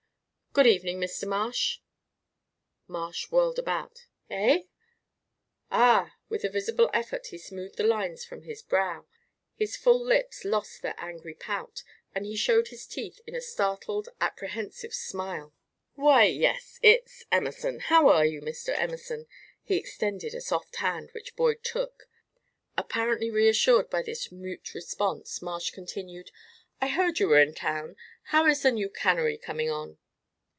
"Good evening, Mr. Marsh." Marsh whirled about. "Eh? Ah!" With a visible effort he smoothed the lines from his brow; his full lips lost their angry pout, and he showed his teeth in a startled, apprehensive smile. "Why, yes it's Emerson. How are you, Mr. Emerson?" He extended a soft hand, which Boyd took. Apparently reassured by this mute response, Marsh continued: "I heard you were in town. How is the new cannery coming on?"